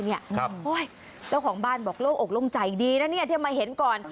ครับอุ๊ยจ้าของบ้านบอกโลกออกลงใจดีน่ะที่มาเห็นก่อน